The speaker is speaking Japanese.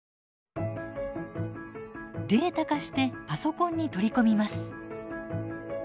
データ化してパソコンに取り込みます。